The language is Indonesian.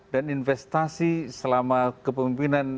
dan investasi selama kepemimpinan